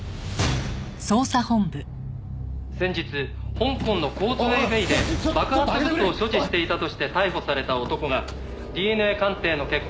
「先日香港のコーズウェイベイで爆発物を所持していたとして逮捕された男がＤＮＡ鑑定の結果